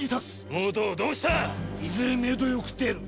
妹をどうしたっ⁉いずれ冥土へ送ってやる！